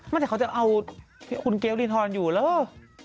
ไม่ใช่เขาจะเอาคุณเกลียวลีนทรอนอยู่หรือ